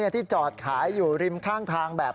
ที่จอดขายอยู่ริมข้างทางแบบ